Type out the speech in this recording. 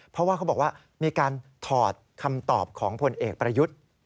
เพราะว่าเขาบอกว่ามีการถอดคำตอบของผลเอกประยุทธ์